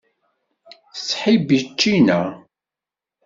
Tettḥibbi ččina.